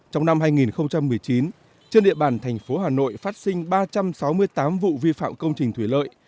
trong năm hai nghìn một mươi chín trên địa bàn thành phố hà nội phát sinh ba trăm sáu mươi tám vụ vi phạm công trình thủy lợi